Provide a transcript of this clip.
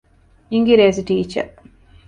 އިނގިރޭސި ޓީޗަރ